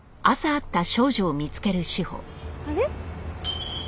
あれ？